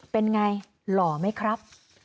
เป็นอย่างไรหล่อไหมครับ